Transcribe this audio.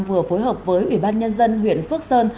vừa phối hợp với ủy ban nhân dân huyện phước sơn